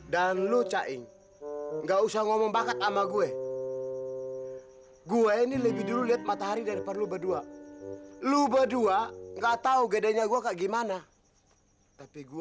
dan cari rumah yang lebih sempurna dulu yangti